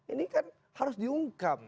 ini kan harus diungkap